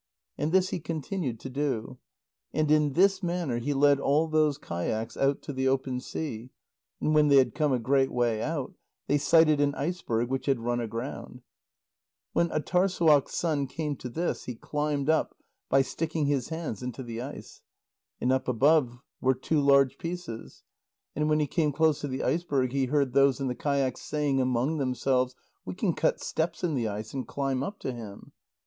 And this he continued to do. And in this manner he led all those kayaks out to the open sea, and when they had come a great way out, they sighted an iceberg which had run aground. When Âtârssuaq's son came to this, he climbed up, by sticking his hands into the ice. And up above were two large pieces. And when he came close to the iceberg, he heard those in the kayaks saying among themselves: "We can cut steps in the ice, and climb up to him."